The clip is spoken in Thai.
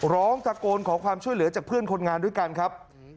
ร้องตะโกนขอความช่วยเหลือจากเพื่อนคนงานด้วยกันครับ